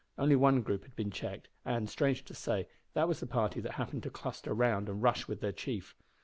Only one group had been checked, and, strange to say, that was the party that happened to cluster round and rush with their chief.